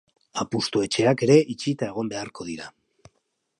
Apustu-etxeak ere itxita egon beharko dira.